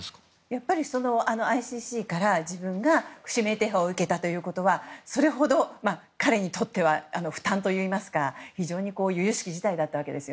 やはりＩＣＣから自分が指名手配を受けたということはそれほど彼にとっては負担といいますか非常に由々しき事態だったわけです。